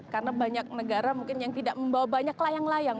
karena banyak negara yang tidak membawa banyak layang layang